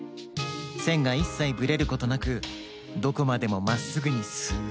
せんがいっさいブレることなくどこまでもまっすぐにスッと。